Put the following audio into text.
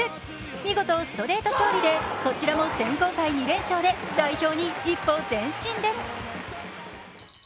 見事ストレート勝利でこちらも選考会２連勝で代表に一歩前進です。